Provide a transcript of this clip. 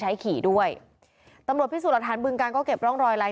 ให้ขี่ด้วยตำรวจพิสูจน์หลักฐานบึงการก็เก็บร่องรอยลาย